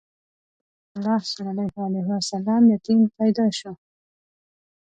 رسول الله ﷺ یتیم پیدا شو.